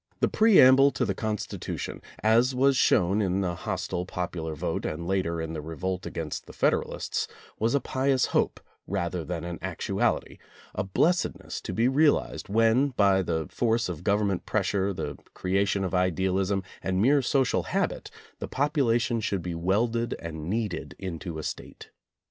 The preamble to the Constitution, as was soon shown in the hostile popular vote and later in the revolt against the Federalists, was a pious hope rather than actuality, a blessedness to be realized when by the force of government pressure, the creation of idealism, and mere social habit, the population should be welded and kneaded into a State.